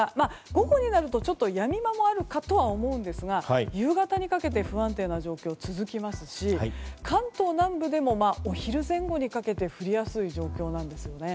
午後になると、ちょっとやみ間もあるかと思いますが夕方にかけて不安定な状況続きますし関東南部でも、お昼前後にかけて降りやすい状況なんです。